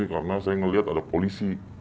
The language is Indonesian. karena saya ngeliat ada polisi